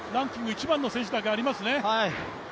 １番の選手なだけありますね。